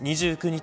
２９日